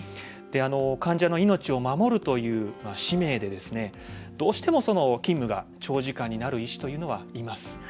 患者の命を守るという使命でどうしても勤務が長時間になる医師というのはいます。